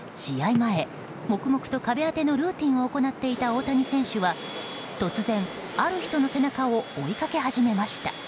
前、黙々と壁当てのルーティンを行っていた大谷選手は突然、ある人の背中を追いかけ始めました。